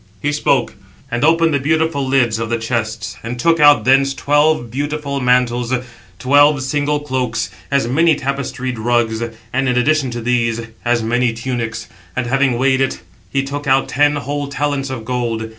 He spoke; and opened the beautiful lids of the chests, and took out thence twelve beautiful mantles, twelve single cloaks, as many tapestried rugs, and, in addition to these, as many tunics; and having weighed it, he took out ten whole talents of gold.